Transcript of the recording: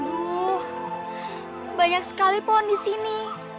uh banyak sekali pohon di sini